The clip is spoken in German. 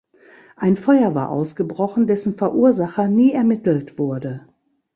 Ein Feuer war ausgebrochen, dessen Verursacher nie ermittelt wurde.